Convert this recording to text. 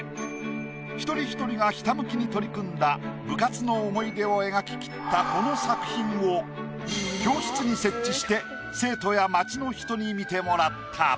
一人一人がひたむきに取り組んだ部活の思い出を描ききったこの作品を教室に設置して生徒や町の人に見てもらった。